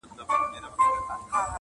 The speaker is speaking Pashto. چي له ډېري خاموشۍ یې غوغا خېژې-